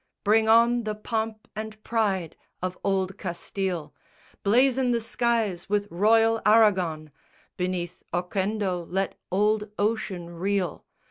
Bring on the pomp and pride of old Castille, Blazon the skies with royal Aragon, Beneath Oquendo let old ocean reel.